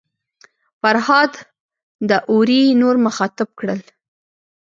فرهاد داوري نور مخاطب کړل.